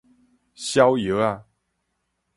痟藥仔